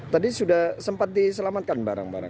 tadi sudah sempat diselamatkan barang barang